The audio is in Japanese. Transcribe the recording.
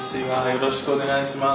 よろしくお願いします。